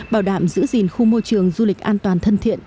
bảo đảm giữ gìn khu môi trường du lịch an toàn thân thiện